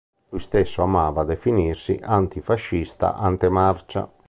Lui stesso amava definirsi "antifascista ante-marcia".